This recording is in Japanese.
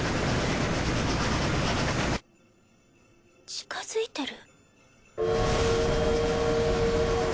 近づいてる？